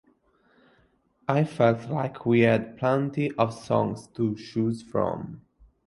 I felt like we had plenty of songs to choose from.